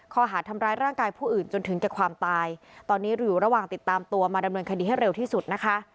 ข้อหาดทำร้ายร่างกายผู้อื่นจนถึงแก่ความตายตอนนี้อยู่ระหว่างติดตามตัวมาดำเนินคดีให้เร็วที่สุดนะคะ